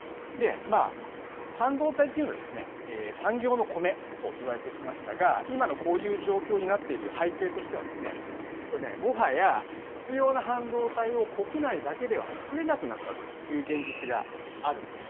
半導体というのは、産業のコメといわれてきましたが、今のこういう状況になっている背景としては、これね、もはや必要な半導体を、国内だけでは作れなくなったという現実があるんです。